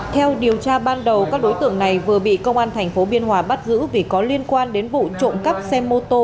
theo điều tra ban đầu các đối tượng này vừa bị công an tp biên hòa bắt giữ vì có liên quan đến vụ trộm cắp xe mô tô